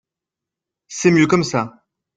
C’est mieux comme ça